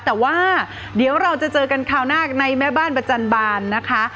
แต่ว่าเดี๋ยวเราจะเจอกันคราวหน้าในแม่บ้านประจันบาลนะคะ